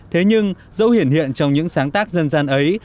thế nhưng dẫu hiển hiện hiện trong những sáng tác dân gian ấy